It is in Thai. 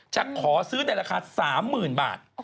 จะขอซื้อในราคา๓๐๐๐บาท